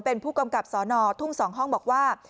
เป็นผู้กำกับสนทุ่ง๒ห้องบอกว่า